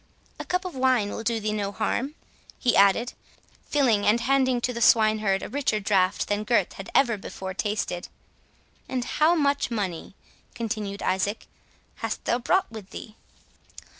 "A cup of wine will do thee no harm," he added, filling and handing to the swineherd a richer drought than Gurth had ever before tasted. "And how much money," continued Isaac, "has thou brought with thee?"